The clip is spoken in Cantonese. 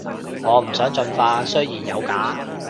我唔想進化，雖然有假